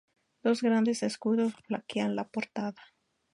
Dos grandes escudos flanquean la portada.